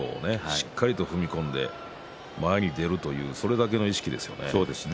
しっかりと踏み込んで前に出るというそれだけの意識ですよね。